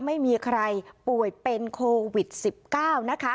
ไม่มีใครป่วยเป็นโควิด๑๙นะคะ